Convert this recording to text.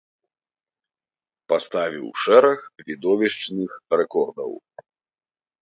Паставіў шэраг відовішчных рэкордаў.